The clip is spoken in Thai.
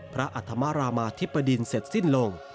อัธมรามาธิบดินเสร็จสิ้นลง